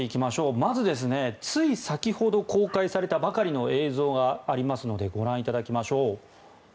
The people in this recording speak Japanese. まず、つい先ほど公開されたばかりの映像がありますのでご覧いただきましょう。